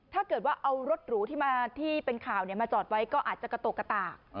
ถ้าเกิดว่าเอารถหรูที่มาที่เป็นข่าวมาจอดไว้ก็อาจจะกระตุกกระตาก